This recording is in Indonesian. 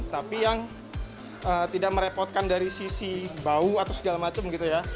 tapi yang tidak merepotkan dari sisi bau atau segala macam gitu ya